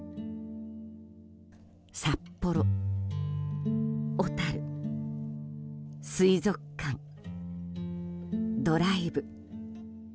札幌、小樽、水族館、ドライブ。